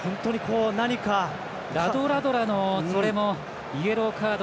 ラドラドラのそれもイエローカード。